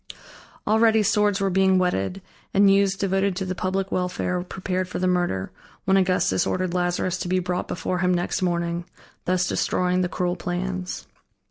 Already swords were being whetted and youths devoted to the public welfare prepared for the murder, when Augustus ordered Lazarus to be brought before him next morning, thus destroying the cruel plans.